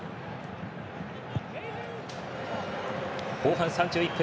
後半３１分。